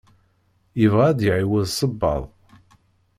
Yebɣa ad d-iɛiwed sebbaḍ.